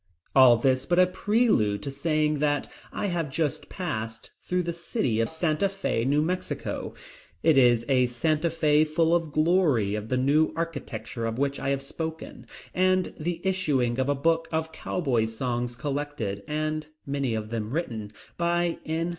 All this but a prelude to saying that I have just passed through the city of Santa Fe, New Mexico. It is a Santa Fe full of the glory of the New Architecture of which I have spoken, and the issuing of a book of cowboy songs collected, and many of them written, by N.